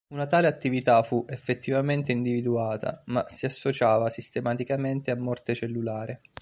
Una tale attività fu effettivamente individuata, ma si associava sistematicamente a morte cellulare.